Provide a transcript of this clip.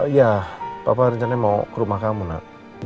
iya papa rencananya mau ke rumah kamu nak